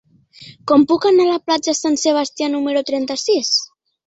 Com puc anar a la platja Sant Sebastià número trenta-sis?